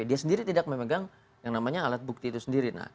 dia sendiri tidak memegang alat bukti itu sendiri